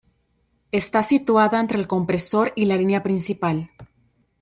Está situada entre el compresor y la línea principal.